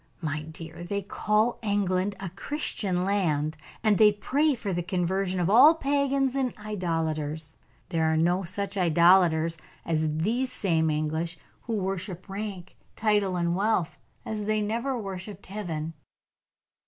"My dear, they call England a Christian land, and they pray for the conversion of all pagans and idolaters. There are no such idolaters as these same English, who worship rank, title, and wealth, as they never worshiped Heaven."